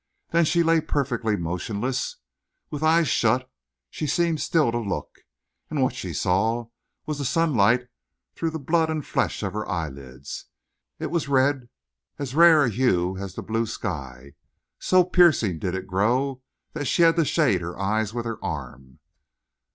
Then she lay perfectly motionless. With eyes shut she seemed still to look, and what she saw was the sunlight through the blood and flesh of her eyelids. It was red, as rare a hue as the blue of sky. So piercing did it grow that she had to shade her eyes with her arm.